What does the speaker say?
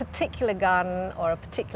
untuk membuat hutan tertentu